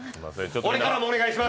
俺からもお願いします！